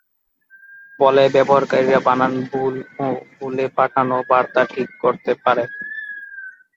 ফলে ব্যবহারকারীরা বানান ভুল ও ভুলে পাঠানো বার্তা ঠিক করতে পারে।